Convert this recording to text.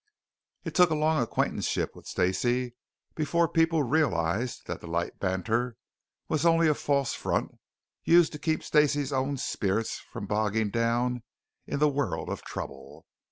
It took a long acquaintanceship with Stacey before people realized that the light banter was only a false front used to keep Stacey's own spirits from bogging down in the world of trouble.